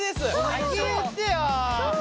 先に言ってよ。